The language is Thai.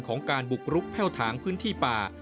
ของการบุกรุกแพ่วถางพื้นที่ป่า